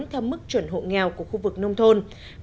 theo mức chuẩn hộ nghèo của khu vực nông thôn